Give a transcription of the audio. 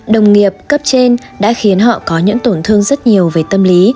đồng nghiệp cấp trên đã khiến họ có những tổn thương rất nhiều về tâm lý